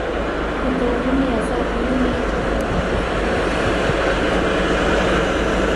که د مینی عذاب نه وی، عمر بد کړی چی اوږدیږی